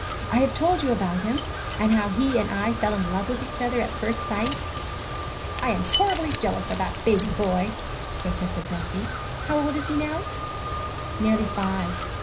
I have told you about him, and how he and I fell in love with each other at first sight.' 'I am horribly jealous of that baby boy,' protested Bessie. 'How old is he now?' 'Nearly five.